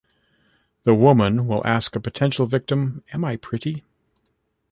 The woman will ask a potential victim Am I pretty?